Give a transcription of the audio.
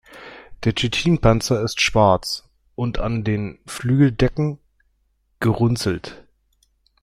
Der Chitin-Panzer ist schwarz und an den Flügeldecken gerunzelt.